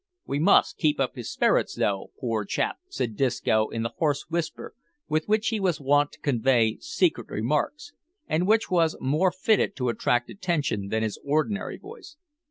"We must keep up his sperrits, tho', poor chap," said Disco, in the hoarse whisper with which he was wont to convey secret remarks, and which was much more fitted to attract attention than his ordinary voice.